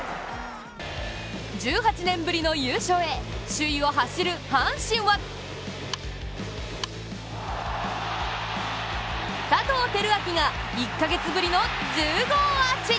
１８年ぶりの優勝へ首位を走る阪神は佐藤輝明が、１か月ぶりの１０号アーチ。